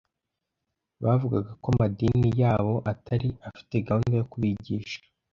Bavugaga ko amadini yabo atari afite gahunda yo kubigisha